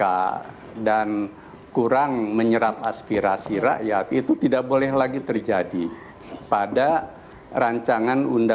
adalah untuk membuat pelajaran yang tidak terulang